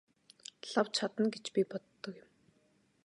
Лав чадна гэж би боддог юм.